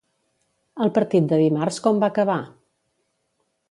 El partit de dimarts com va acabar?